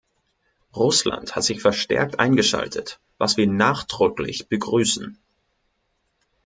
Russland hat sich verstärkt eingeschaltet, was wir nachdrücklich begrüßen.